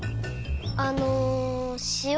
あのしお